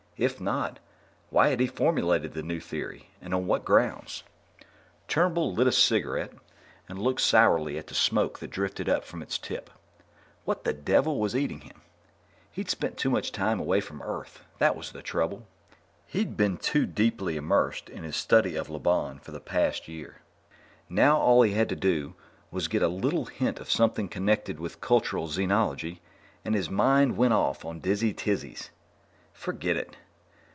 If not, why had he formulated the new theory, and on what grounds? Turnbull lit a cigarette and looked sourly at the smoke that drifted up from its tip. What the devil was eating him? He'd spent too much time away from Earth, that was the trouble. He'd been too deeply immersed in his study of Lobon for the past year. Now all he had to do was get a little hint of something connected with cultural xenology, and his mind went off on dizzy tizzies. Forget it.